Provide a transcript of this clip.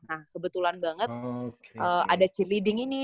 nah sebetulan banget ada cheerleading ini